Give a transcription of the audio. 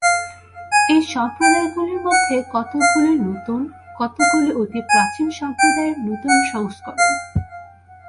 এই সম্প্রদায়গুলির মধ্যে কতকগুলি নূতন, কতকগুলি অতি প্রাচীন সম্প্রদায়ের নূতন সংস্করণ।